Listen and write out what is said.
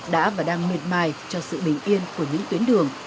đã và đang miệt mài cho sự bình yên của những tuyến đường